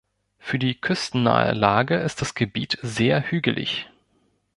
Für die küstennahe Lage ist das Gebiet sehr hügelig.